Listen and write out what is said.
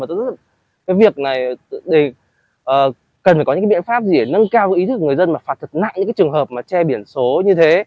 cái việc này cần phải có những biện pháp gì để nâng cao ý thức của người dân phạt thật nặng những trường hợp che biển số như thế